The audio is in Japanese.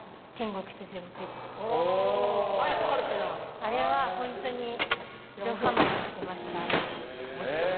あれはほんとにどハマりしてました。